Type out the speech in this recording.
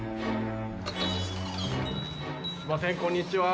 すいませんこんにちは。